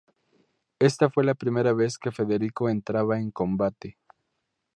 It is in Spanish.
Esta fue la primera vez que Federico entraba en combate.